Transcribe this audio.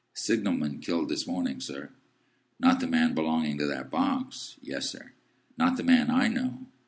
"Signal man killed this morning, sir." "Not the man belonging to that box?" "Yes, sir." "Not the man I know?"